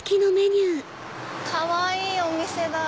かわいいお店だ。